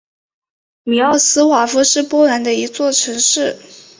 米沃斯瓦夫是波兰的一座城市。